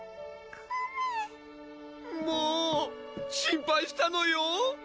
コメんもう心配したのよ